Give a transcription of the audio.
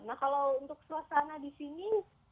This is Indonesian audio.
nah kalau untuk suasana disini